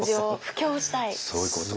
そういうことか。